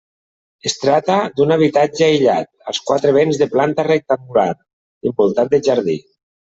Es tracta d'un habitatge aïllat als quatre vents de planta rectangular i envoltat de jardí.